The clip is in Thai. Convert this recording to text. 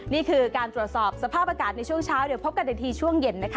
นี่คือการตรวจสอบสภาพอากาศในช่วงเช้าเดี๋ยวพบกันอีกทีช่วงเย็นนะคะ